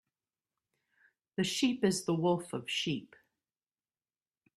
The sheep is the wolf of sheep.